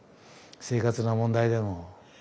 生活の問題でも。